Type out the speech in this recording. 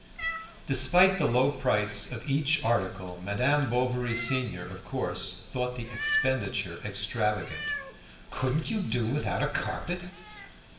Despite the low price of each article, Madame Bovary senior, of course, thought the expenditure extravagant. "Couldn't you do without a carpet?